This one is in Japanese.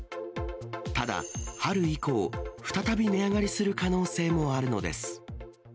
ただ、春以降、再び値上がりする可能性もあるのです。